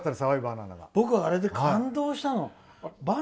あれで僕はあれは感動したの。